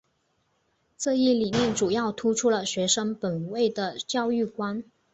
这一理念主要突出了学生本位的教育观。